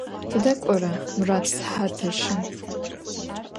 Tıde k'ora Murat sıhatır şım?